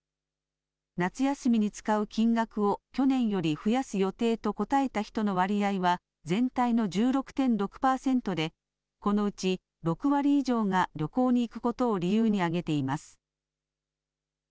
夏休みに使う金額を去年より増やす予定と答えた人の割合は全体の１６．６パーセントでこのうち６割以上が旅行に行くことを理由にあげています。